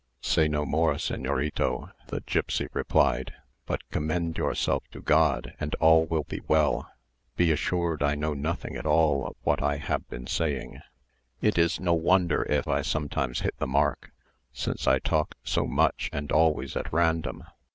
"Say no more, señorito," the gipsy replied; "but commend yourself to God, and all will be well. Be assured I know nothing at all of what I have been saying. It is no wonder if I sometimes hit the mark, since I talk so much and always at random.